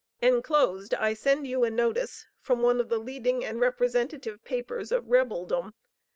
Enclosed I send you a notice from one of the leading and representative papers of rebeldom.